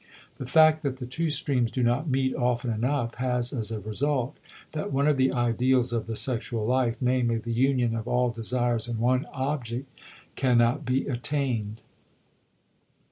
The fact that the two streams do not meet often enough has as a result that one of the ideals of the sexual life, namely, the union of all desires in one object, can not be attained.